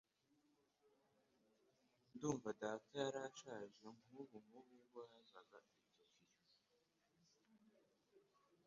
Ndumva data yari ashaje nkubu nkubu ubwo yazaga i Tokiyo